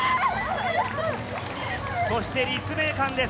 そして立命館です。